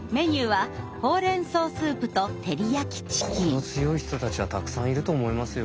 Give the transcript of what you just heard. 今回の心強い人たちはたくさんいると思いますよ。